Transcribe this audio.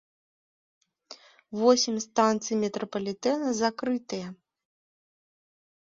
Восем станцый метрапалітэна закрытыя.